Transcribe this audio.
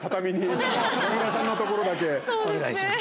お願いします。